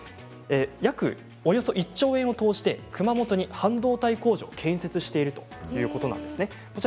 およそ１兆円を投じて熊本に半導体工場を建設しているということなんですね。